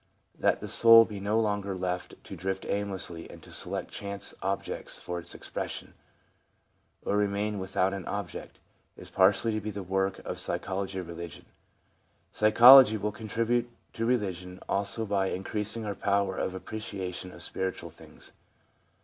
That the soul be no longer left to drift aimlessly and to select chance objects for its expression, or remain without an object, is partially to be the work of the psychology of religion. Psychology will contribute to religion also by increas ing our power of appreciation of spiritual things.